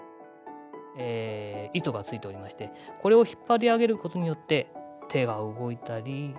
糸がついておりましてこれを引っ張り上げることによって手が動いたり。